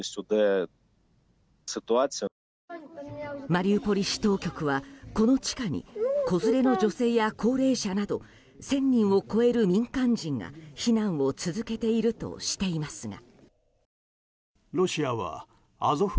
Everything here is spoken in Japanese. マリウポリ市当局はこの地下に子連れの女性や高齢者など１０００人を超える民間人が避難を続けているとしていますが。